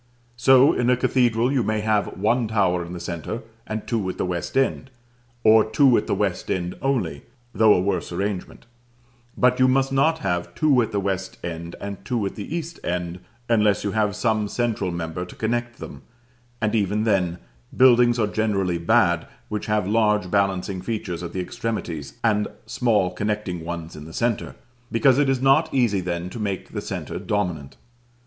So in a cathedral you may have one tower in the centre, and two at the west end; or two at the west end only, though a worse arrangement: but you must not have two at the west and two at the east end, unless you have some central member to connect them; and even then, buildings are generally bad which have large balancing features at the extremities, and small connecting ones in the centre, because it is not easy then to make the centre dominant.